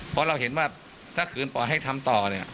เพราะเราเห็นว่าถ้าขืนปลอดภัยให้ทำต่อ